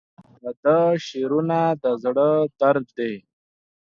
د ده شعرونه د زړه درد دی.